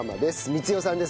光代さんです。